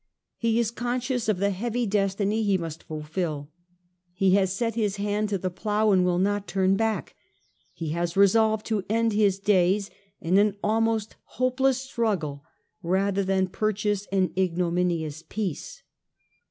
He is conscious of the heavy destiny he must fulfil ; he has set his hand to the plough and will not turn back ; he has resolved to end his days in an almost hopeless struggle rather than purchase an ignominious peace.